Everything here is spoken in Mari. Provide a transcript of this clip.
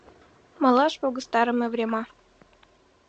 Малаш погыстарыме врема...